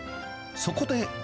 そこで。